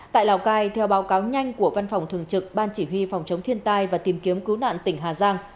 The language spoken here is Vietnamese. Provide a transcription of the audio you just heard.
tại lào cai theo báo cáo nhanh của văn phòng thường trực ban chỉ huy phòng chống thiên tai và tìm kiếm cứu nạn tỉnh hà giang